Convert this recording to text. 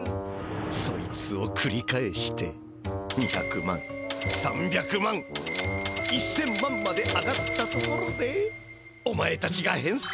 そいつをくり返して２００万３００万１，０００万まで上がったところでおまえたちがへんそう。